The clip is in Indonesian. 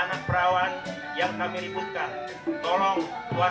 menggemaikan betawi agar selalu terngiang di kota kebanggaan